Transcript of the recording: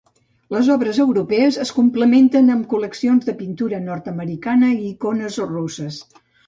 Les obres europees es complementen amb col·leccions de pintura nord-americana i icones russes.